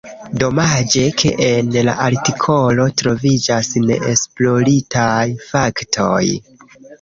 Domaĝe, ke en la artikolo troviĝas neesploritaj faktoj.